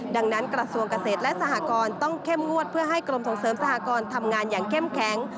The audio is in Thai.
ดังนั้นกระทรวงเกษตรและสหกรณ์ต้องเข้มงวดเพื่อให้กรมส่งเสริมสหกรณ์ทำงานอย่างเข้มแข็ง